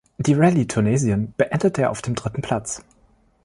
Die Rallye Tunesien beendete er auf dem dritten Platz.